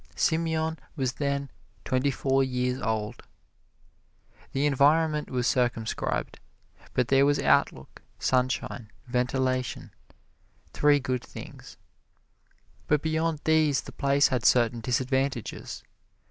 Simeon was then twenty four years old. The environment was circumscribed, but there was outlook, sunshine, ventilation three good things. But beyond these the place had certain disadvantages.